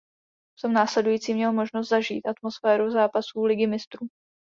V tom následujícím měl možnost zažít atmosféru zápasů Ligy mistrů.